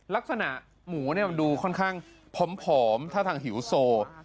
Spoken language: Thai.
ลักษณะหมูมันดูค่อนข้างผอมท่าทางหิวโซ